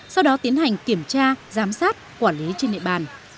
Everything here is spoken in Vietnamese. sau đó tiến hành kiểm tra giám sát quản lý trên địa bàn